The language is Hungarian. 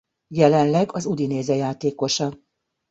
Jelenleg a Udinese játékosa.